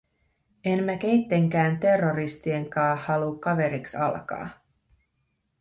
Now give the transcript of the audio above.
En mä keittenkää terroristien kaa haluu kaveriks alkaa!”